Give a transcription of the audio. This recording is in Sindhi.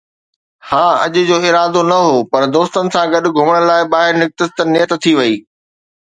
ها، اڄ جو ارادو نه هو، پر دوستن سان گڏ گهمڻ لاءِ ٻاهر نڪتس، ته نيت ٿي وئي